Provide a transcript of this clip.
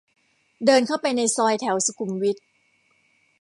เดินเข้าไปในซอยแถวสุขุมวิท